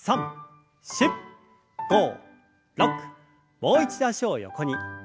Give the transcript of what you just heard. もう一度脚を横に。